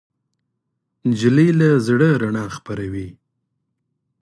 نجلۍ له زړه رڼا خپروي.